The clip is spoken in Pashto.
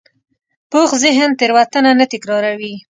پوخ ذهن تېروتنه نه تکراروي